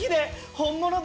本物だ。